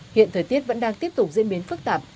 hiện thời tiết vẫn đang tiếp tục diễn biến phức tạp